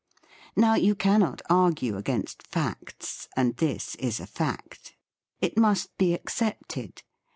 Now you cannot argue against facts, and this is a fact. It must be accepted.